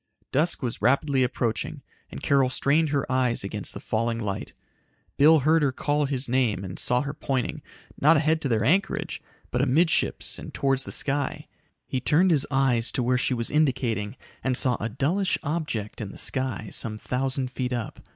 Dusk was rapidly approaching and Carol strained her eyes against the failing light. Bill heard her call his name and saw her pointing not ahead to their anchorage, but amidships and toward the sky. He turned his eyes to where she was indicating and saw a dullish object in the sky, some thousand feet up.